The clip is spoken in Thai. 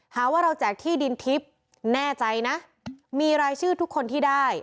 หาว่าเราแจกที่ดินทิพย์แน่ใจนะมีรายชื่อทุกคนที่ได้